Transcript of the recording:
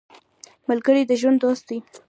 ملګری د ژوند دوست دی